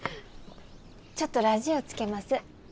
ちょっとラジオつけます。